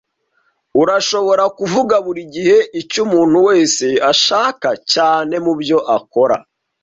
Urashobora kuvuga buri gihe icyo umuntu wese ashaka cyane mubyo akora.